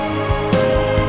ya allah ya allah